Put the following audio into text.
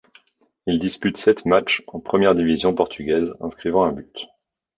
Il dispute sept matchs en première division portugaise, inscrivant un but.